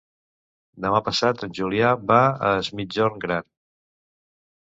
Demà passat en Julià va a Es Migjorn Gran.